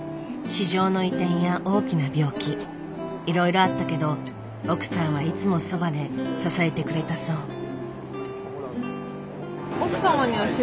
市場の移転や大きな病気いろいろあったけど奥さんはいつもそばで支えてくれたそう。